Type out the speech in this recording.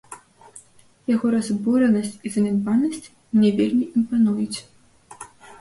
Яго разбуранасць і занядбанасць мне вельмі імпануюць.